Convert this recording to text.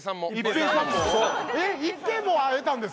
一平も会えたんですか？